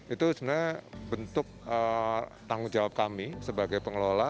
itu sebenarnya bentuk tanggung jawab kami sebagai pengelola